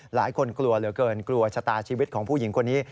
หลายคนกลัวเหลือเกินกลัวชะตาชีวิตของผู้หญิงคนนี้